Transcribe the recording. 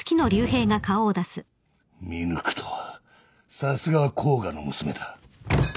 見抜くとはさすが甲賀の娘だ。